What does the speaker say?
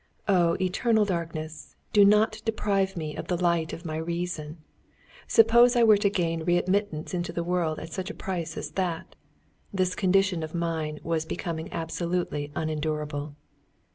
Oh, eternal darkness, do not deprive me of the light of my reason! Suppose I were to gain readmittance into the world at such a price as that! This condition of mind was becoming absolutely unendurable.